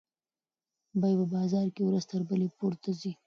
بیې په بازار کې ورځ تر بلې پورته ځي.